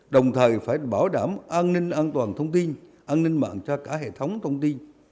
đồng thời phải bảo đảm an ninh an toàn thông tin an ninh mạng cho cả hệ thống thông tin